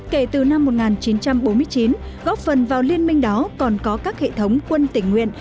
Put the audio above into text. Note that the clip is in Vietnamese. kể từ năm một nghìn chín trăm bốn mươi chín góp phần vào liên minh đó còn có các hệ thống quân tỉnh nguyện